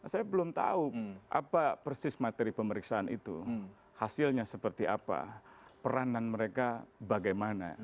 saya belum tahu apa persis materi pemeriksaan itu hasilnya seperti apa peranan mereka bagaimana